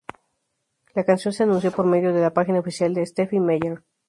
La canción se anunció por medio de la página oficial de Stephenie Meyer.